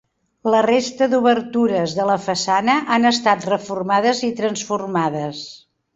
La resta d'obertures de la façana han estat reformades i transformades.